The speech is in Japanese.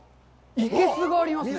生けすがありますね。